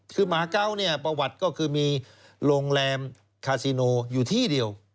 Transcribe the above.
คือหมาเกาะเนี่ยประวัติก็คือมีโรงแรมคาซิโนอยู่ที่เดียว